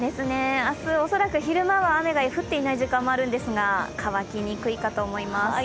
明日、おそらく昼間は雨が降っていない時間もあるんですが乾きにくいかと思います。